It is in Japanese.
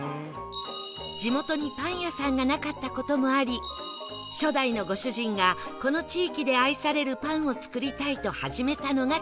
地元にパン屋さんがなかった事もあり初代のご主人がこの地域で愛されるパンを作りたいと始めたのがきっかけ